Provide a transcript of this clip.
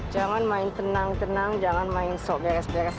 jangan main tenang tenang jangan main so beres beres